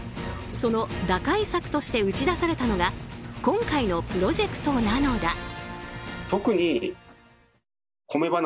その打開策として打ち出されたのが今回のプロジェクトなのだ。